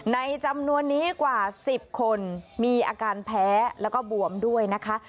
ในจำนวนนี้กว่า๑๐คนมีอาการแพ้แล้วก็บวมด้วยนะคะ